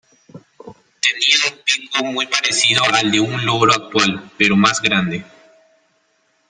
Tenía un pico muy parecido al de un loro actual, pero más grande.